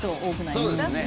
そうですね。